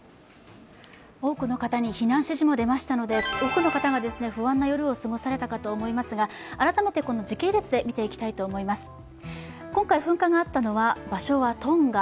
多くの方に避難指示も出ましたので、多くの方が不安な夜を過ごされたと思いますが改めて時系列で見ていきたいと思います。